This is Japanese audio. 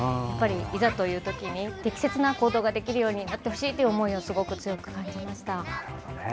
いざという時に適切な行動ができるようになってほしいという思いをすごく強く感じました。